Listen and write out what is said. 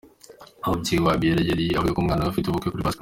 umubyeyi wa Abiellah yeruye avuga ko umwana we afite ubukwe kuri Pasika.